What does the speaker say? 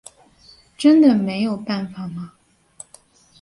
真的没有办法吗？